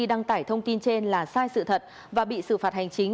đăng tải thông tin trên là sai sự thật và bị xử phạt hành chính